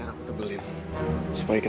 supaya kita tetap nikmati forever you know